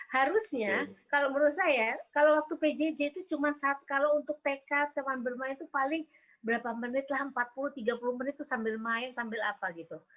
harusnya kalau menurut saya kalau waktu pjj itu cuma kalau untuk tk teman bermain itu paling berapa menit lah empat puluh tiga puluh menit tuh sambil main sambil apa gitu